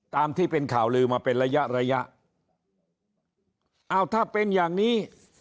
ตามที่เป็นข่าวลือมาเป็นระยะระยะอ้าวถ้าเป็นอย่างนี้